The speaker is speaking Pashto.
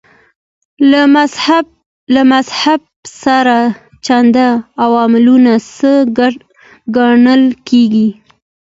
له مذهب سره چلند عواملو څخه ګڼل کېږي.